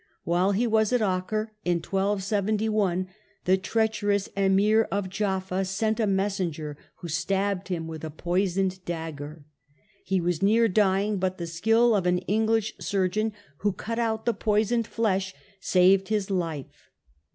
While he was at Acre in 127 1, the treacherous Emir of Jaffa sent a ThecruMwie messenger, who stabbed him with a poisoned of sir Ed dagger. He was near dying, but the skill of ^■^' an English surgeon, who cut out the poisoned flesh, saved his life.